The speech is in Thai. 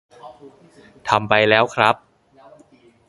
ทำไปแล้วครับ